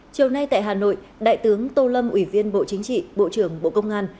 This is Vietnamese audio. chiều nay tại hà nội đại tướng tô lâm ủy viên bộ chính trị bộ trưởng bộ công an